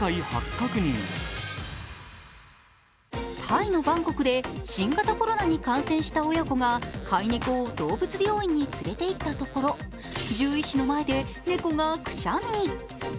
タイのバンコクで新型コロナに感染した親子が飼い猫を動物病院に連れていったところ獣医師の前で猫がくしゃみ。